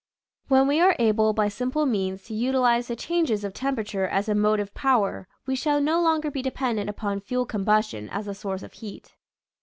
When we are able by simple means to utilize the changes of temperature as a motive power we shall no longer be dependent upon fuel combustion as a source of heat.